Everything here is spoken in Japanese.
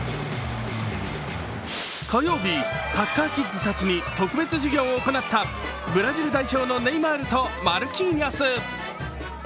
火曜日、サッカーキッズたちに特別授業を行ったブラジル代表のネイマールとマルキーニョス。